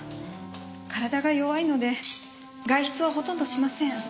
体が弱いので外出はほとんどしません。